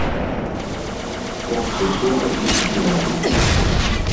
Хлопцы слухалі і ківалі.